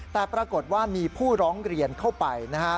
แต่ปรากฏว่ามีผู้ร้องเรียนเข้าไปนะฮะ